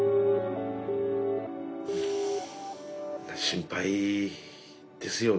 心配ですよね。